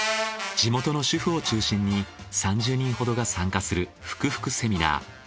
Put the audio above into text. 地元の主婦を中心に３０人ほどが参加するふくふくセミナー。